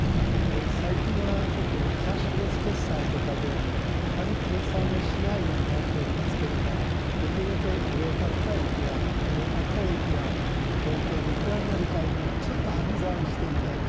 最近はキャッシュレス決済とかであまり計算をしないようになっておりますけれどもできるだけこれを買ったらいくらこれを買ったらいくらと合計でいくらになるかとちょっと暗算していただく。